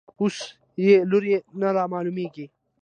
اوس یې لوری نه رامعلومېږي.